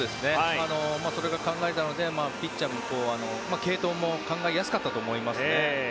それが考えなのでピッチャーの継投も考えやすかったと思いますね。